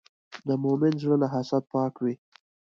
د مؤمن زړه له حسد پاک وي.